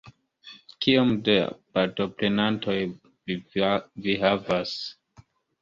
Kiom da partoprenantoj vi havas?